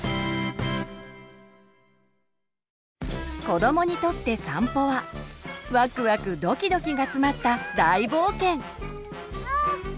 子どもにとって散歩はワクワク・ドキドキが詰まった大冒険。